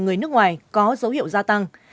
người nước ngoài có dấu hiệu gia tăng